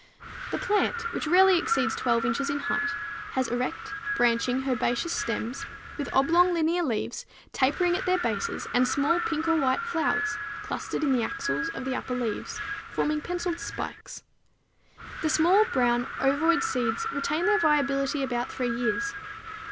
_ The plant, which rarely exceeds 12 inches in height, has erect, branching, herbaceous stems, with oblong linear leaves, tapering at their bases, and small pink or white flowers clustered in the axils of the upper leaves, forming penciled spikes. The small, brown, ovoid seeds retain their viability about three years.